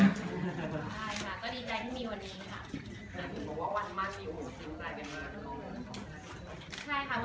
วันมั่นเหมือนจะตื่นเต้นมาก